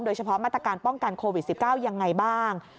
เฉพาะมาตรการป้องกันโควิด๑๙ยังไงบ้าง